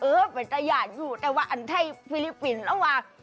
เออเป็นตะยาดอยู่แต่ว่าอันไทยฟิลิปปินส์ระหว่าง